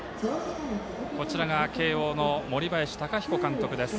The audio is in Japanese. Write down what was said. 慶応の森林貴彦監督です。